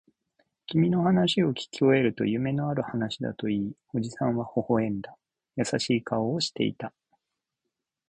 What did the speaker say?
君の話をきき終えると、夢のある話だと言い、おじさんは微笑んだ。優しい顔をしていた。